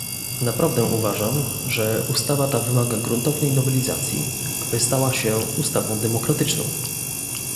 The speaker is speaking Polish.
Naprawdę uważam, że ustawa ta wymaga gruntownej nowelizacji, aby stała się ustawą demokratyczną